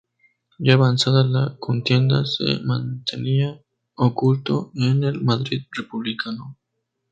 Ya avanzada la contienda se mantenía oculto en el Madrid republicano.